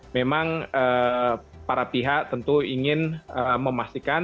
memang para pihak tentu ingin memastikan